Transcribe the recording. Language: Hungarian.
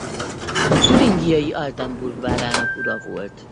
A türingiai Altenburg várának ura volt.